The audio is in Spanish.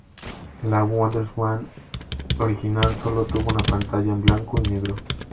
La WonderSwan original sólo tuvo una pantalla en blanco y negro.